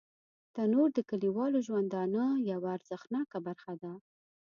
تنور د کلیوالو ژوندانه یوه ارزښتناکه برخه ده